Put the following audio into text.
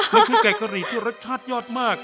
มันคือไก่กะหรี่ที่รสชาติยอดมาก